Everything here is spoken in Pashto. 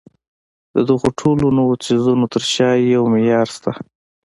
د دغو ټولو نويو څيزونو تر شا يو معيار شته.